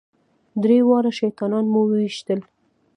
درې واړه شیطانان مو وويشتل.